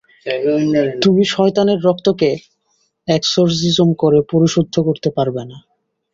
তুমি শয়তানের রক্তকে এক্সোরসিজম করে পরিশুদ্ধ করতে পারবে না!